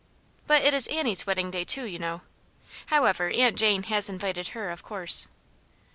" But it is Annie's wedding day, too, you know. However, Aunt Jane has invited her, of course."